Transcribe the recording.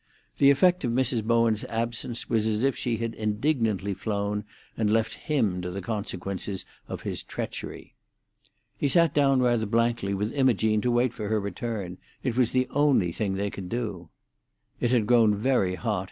The effect of Mrs. Bowen's absence was as if she had indignantly flown, and left him to the consequences of his treachery. He sat down rather blankly with Imogene to wait for her return; it was the only thing they could do. It had grown very hot.